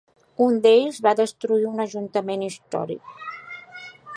Un d'ells va destruir un ajuntament històric.